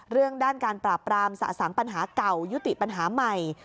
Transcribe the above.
เรื่องด้านการปราบปรามสะสังปัญหาเก่ายุติปัญหาใหม่